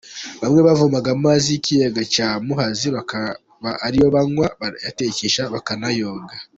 Bamwe bavomaga amazi y’ikiyaga cya Muhazi bakaba ari yo banywa, bakayatekesha bakanayoga.